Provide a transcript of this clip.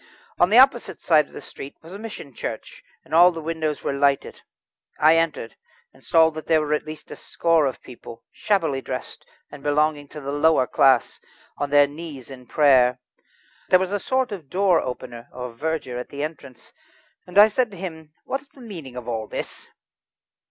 On the opposite side of the street was a mission church, and the windows were lighted. I entered, and saw that there were at least a score of people, shabbily dressed, and belonging to the lowest class, on their knees in prayer. There was a sort of door opener or verger at the entrance, and I said to him: "What is the meaning of all this?"